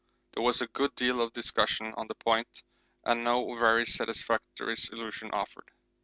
There was a good deal of discussion on the point and no very satisfactory solution offered.